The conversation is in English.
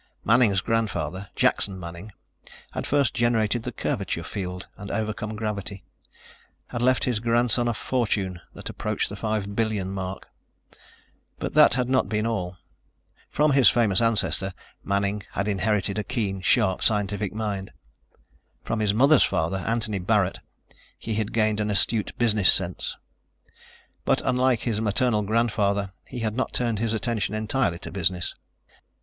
Manning's grandfather, Jackson Manning, had first generated the curvature field and overcome gravity, had left his grandson a fortune that approached the five billion mark. But that had not been all. From his famous ancestor, Manning had inherited a keen, sharp, scientific mind. From his mother's father, Anthony Barret, he had gained an astute business sense. But unlike his maternal grandfather, he had not turned his attention entirely to business.